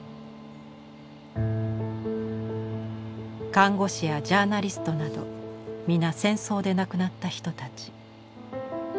看護師やジャーナリストなど皆戦争で亡くなった人たち。